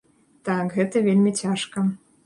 Так, гэта вельмі цяжка.